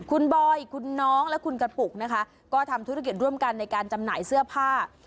คุณบอยคุณน้องและคุณกระปุกนะคะก็ทำธุรกิจร่วมกันในการจำหน่ายเสื้อผ้า